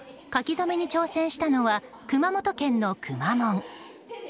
書き初めに挑戦したのは熊本県の、くまモン。